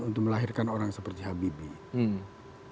untuk melahirkan orang seperti habibie